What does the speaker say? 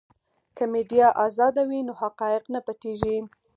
که میډیا ازاده وي نو حقایق نه پټیږي.